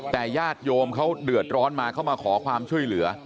แต่ญาติโยมเขาเดือดร้อนมาเขามาขอความช่วยเหลือ